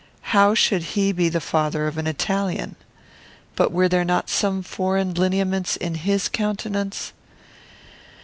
How should he be the father of an Italian? But were there not some foreign lineaments in his countenance?